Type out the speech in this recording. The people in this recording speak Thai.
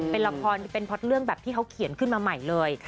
เป็นละครเป็นเพราะเรื่องแบบที่เขาเขียนขึ้นมาใหม่เลย